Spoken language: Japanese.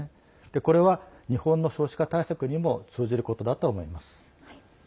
これは、日本の少子化対策にも通じることだと思います。